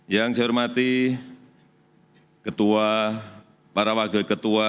yang saya hormati ketua para wakil ketua